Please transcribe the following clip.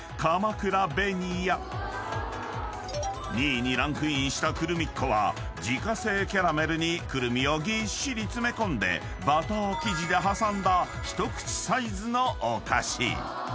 ［２位にランクインしたクルミッ子は自家製キャラメルにクルミをぎっしり詰め込んでバター生地で挟んだ一口サイズのお菓子］